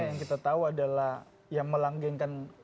yang kita tahu adalah yang melanggengkan